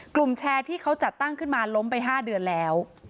กลุ่มแชร์ที่เขาจัดตั้งขึ้นมาล้มไป๕เดือนแล้ว